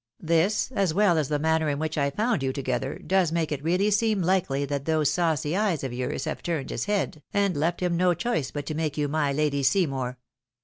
This, as well as the manner in which I found you together, does make it really seem Ukely that those saucy eyes of yours have turned his head, and left him no choice but to make you my Lady Seymour.